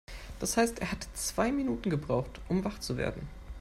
Das heißt, er hatte zwei Minuten gebraucht, um wach zu werden.